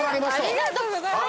ありがとうございます。